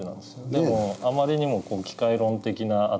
でもあまりにも機械論的な頭だと。